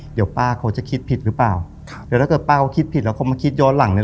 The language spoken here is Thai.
เดี๋ยวป้าเขาจะคิดผิดหรือเปล่าครับเดี๋ยวถ้าเกิดป้าเขาคิดผิดแล้วเขามาคิดย้อนหลังเนี้ย